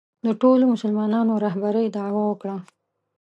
د ټولو مسلمانانو رهبرۍ دعوا وکړه